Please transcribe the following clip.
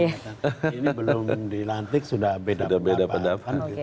ini belum dilantik sudah beda beda pendapat